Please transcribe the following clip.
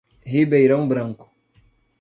Ribeirão Branco